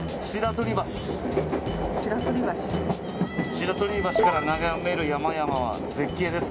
白鳥橋から眺める山々は絶景です